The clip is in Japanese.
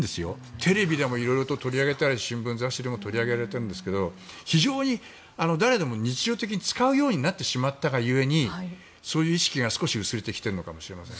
テレビでも取り上げたり新聞、雑誌でも取り上げてるんですけど非常に誰でも日常的に使うようになってしまったがためにそういう意識が少し薄れてきてるのかもしれません。